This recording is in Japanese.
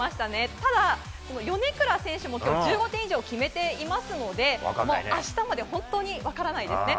ただ、米倉選手も今日、１５点以上決めているので明日まで本当に分からないですね。